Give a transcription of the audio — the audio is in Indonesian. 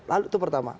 lalu itu pertama